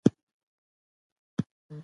مرغۍ الوتله او وارث ورته کتل.